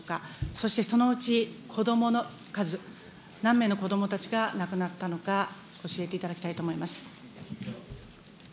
そしてそのうち子どもの数、何名の子どもたちが亡くなったのか、教えていただきたいと思います。